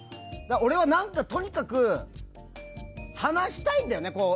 俺は、何かとにかく話したいんだよね。